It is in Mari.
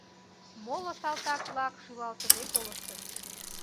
Моло салтак-влак шӱлалтыде колыштыт.